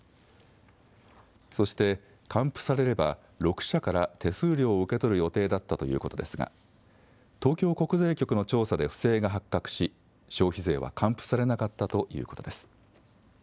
そして、還付されれば、６社から手数料を受け取る予定だったということですが、東京国税局の調査で不正が発覚し、消費税は還付されなかったということです。